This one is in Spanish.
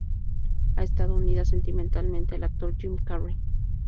Ha estado unida sentimentalmente al actor Jim Carrey.